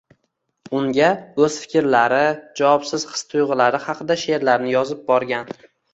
unga o‘z fikrlari, javobsiz his-tuyg‘ulari haqida she’rlarni yozib borgan.